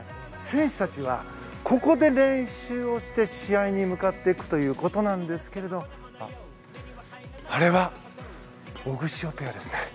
選手たちは、ここで練習をして試合に向かっていくということなんですがあ、あれはオグシオペアですね。